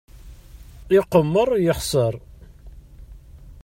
Iqemmer, yexser.